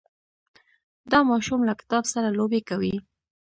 دا ماشوم له کتاب سره لوبې کوي.